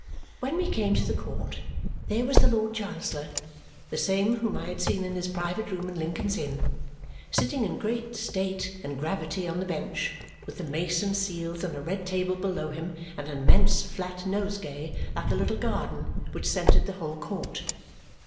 When we came to the court, there was the Lord Chancellor the same whom I had seen in his private room in Lincoln's Inn sitting in great state and gravity on the bench, with the mace and seals on a red table below him and an immense flat nosegay, like a little garden, which scented the whole court.